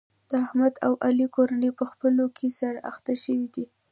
د احمد او علي کورنۍ په خپلو کې سره اخته شوې دي.